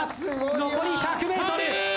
残り１００ｍ。